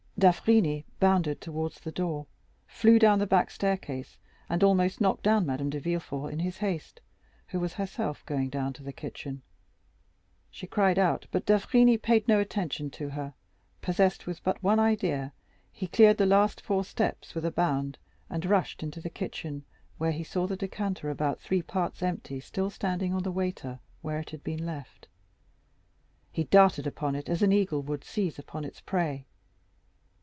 D'Avrigny bounded towards the door, flew down the back staircase, and almost knocked down Madame de Villefort, in his haste, who was herself going down to the kitchen. She cried out, but d'Avrigny paid no attention to her; possessed with but one idea, he cleared the last four steps with a bound, and rushed into the kitchen, where he saw the decanter about three parts empty still standing on the waiter, where it had been left. He darted upon it as an eagle would seize upon its prey.